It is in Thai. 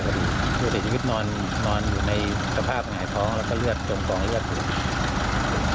ผู้เสียชีวิตนอนอยู่ในสภาพหงายท้องแล้วก็เลือดจมกองเลือดอยู่